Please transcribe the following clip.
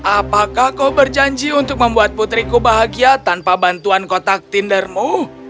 apakah kau berjanji untuk membuat putriku bahagia tanpa bantuan kotak tindermu